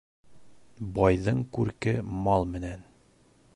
Байҙың күрке мал менән.